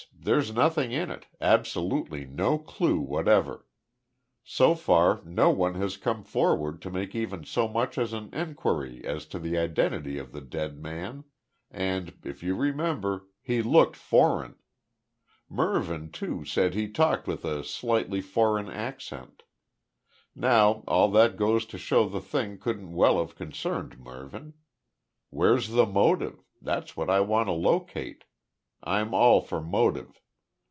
There's nothing in it, absolutely no clue whatever. So far, no one has come forward to make even so much as an enquiry as to the identity of the dead man, and, if you remember, he looked foreign. Mervyn, too, said he talked with a slightly foreign accent. Now all that goes to show the thing couldn't well have concerned Mervyn. Where's the motive? That's what I want to locate. I'm all for motive.